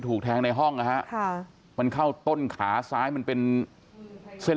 ถูกแทงในห้องนะฮะค่ะมันเข้าต้นขาซ้ายมันเป็นเส้น